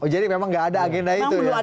jadi memang tidak ada agenda itu